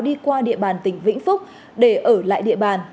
đi qua địa bàn tỉnh vĩnh phúc để ở lại địa bàn